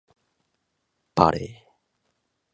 バレー